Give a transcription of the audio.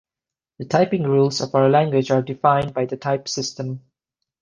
The typing rules of our language are defined by the type system.